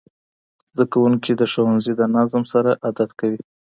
زدهکوونکي د ښوونځي د نظم سره عادت کوي.